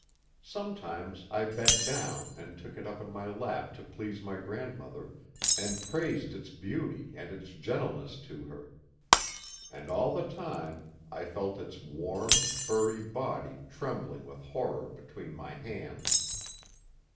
Sometimes I bent down and took it up on my lap to please my grandmother, and praised its beauty and its gentleness to her And all the time I felt its warm, furry body trembling with horror between my hands.